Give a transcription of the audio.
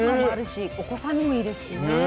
お子さんにもいいですしね。